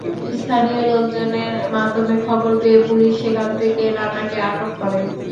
স্থানীয় লোকজনের মাধ্যমে খবর পেয়ে পুলিশ সেখান থেকে রানাকে আটক করে।